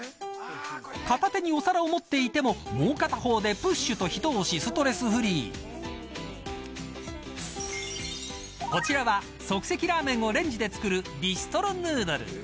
片手にお皿を持っていてももう片方で、プッシュとひと押し、ストレスフリー。こちらは即席ラーメンをレンジで作るビストロヌードル。